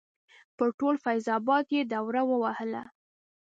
پر ټول فیض اباد یې دوره ووهله.